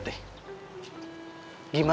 kamar asing aja